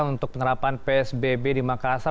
untuk penerapan psbb di makassar